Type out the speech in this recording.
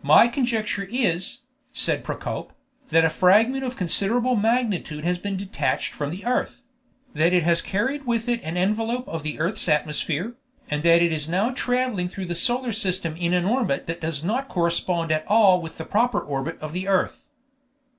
"My conjecture is," said Procope, "that a fragment of considerable magnitude has been detached from the earth; that it has carried with it an envelope of the earth's atmosphere, and that it is now traveling through the solar system in an orbit that does not correspond at all with the proper orbit of the earth."